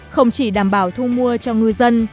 không chỉ đảm bảo thu mua cho ngư dân